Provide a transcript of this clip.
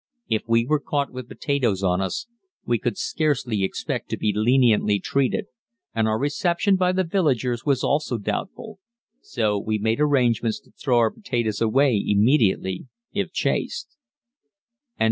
If we were caught with potatoes on us, we could scarcely expect to be leniently treated, and our reception by the villagers was also doubtful; so we made arrangements to throw our potatoes away immediately if chased.